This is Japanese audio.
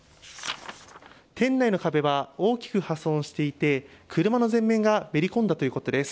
店内の壁は大きく破損していて車の前面がめり込んだということです。